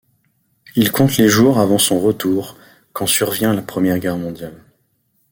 Il compte les jours avant son retour quand survient la première Guerre mondiale.